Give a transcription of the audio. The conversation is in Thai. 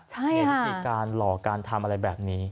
เห็นวิธีการหล่อการทำอะไรแบบนี้